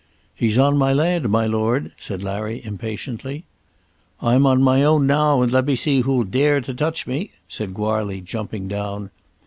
"He's on my land, my lord," said Larry impatiently. "I'm on my own now, and let me see who'll dare to touch me," said Goarly jumping down.